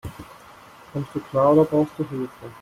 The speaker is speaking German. Kommst du klar, oder brauchst du Hilfe?